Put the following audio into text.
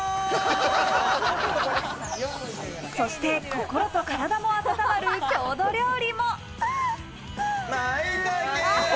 そして心と体も温まる郷土料理も。